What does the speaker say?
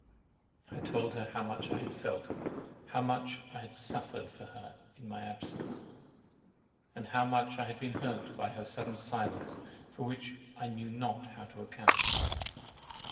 I told her how much I had felt, how much I had suffered for her in my absence, and how much I had been hurt by her sudden silence, for which I knew not how to account.